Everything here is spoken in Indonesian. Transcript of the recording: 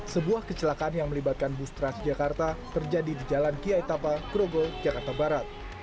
sebuah kecelakaan yang melibatkan bus transjakarta terjadi di jalan kiai tapal krogol jakarta barat